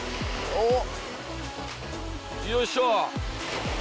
おっ！